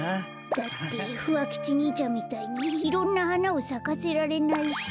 だってふわ吉にいちゃんみたいにいろんなはなをさかせられないし。